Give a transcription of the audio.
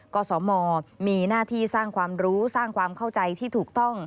สมมีหน้าที่สร้างความรู้สร้างความเข้าใจที่ถูกต้อง